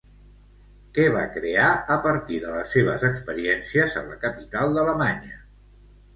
Què va crear a partir de les seves experiències a la capital d'Alemanya?